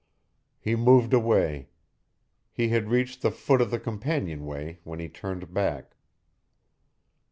He moved away. He had reached the foot of the companionway when he turned back.